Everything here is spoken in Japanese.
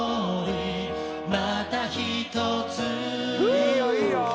いいよいいよフー！